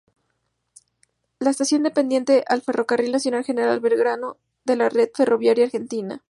La estación dependía al Ferrocarril Nacional General Belgrano de la red ferroviaria argentina.